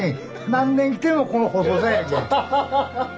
何年来てもこの細さやけ。